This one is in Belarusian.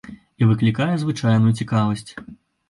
І выклікае звычайную цікавасць.